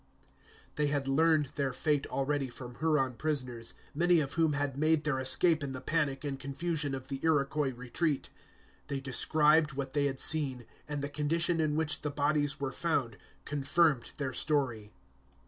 They had learned their fate already from Huron prisoners, many of whom had made their escape in the panic and confusion of the Iroquois retreat. They described what they had seen, and the condition in which the bodies were found confirmed their story.